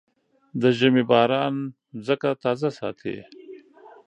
د ژمي باران ځمکه تازه ساتي.